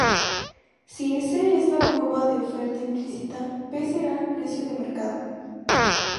Si S es la curva de oferta implícita, P será el precio de mercado.